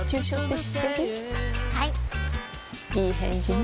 いい返事ね